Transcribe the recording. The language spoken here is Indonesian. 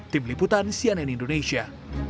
tim liputan cnn indonesia